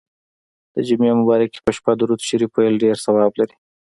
د جمعې مبارڪي په شپه درود شریف ویل ډیر ثواب لري.